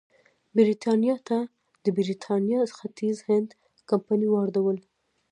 برېټانیا ته د برېټانیا ختیځ هند کمپنۍ واردول.